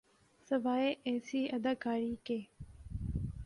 سوائے ایسی اداکاری کے۔